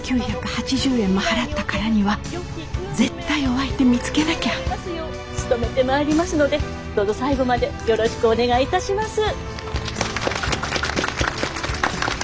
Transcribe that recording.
６，９８０円も払ったからには絶対お相手見つけなきゃどうぞ最後までよろしくお願いいたします。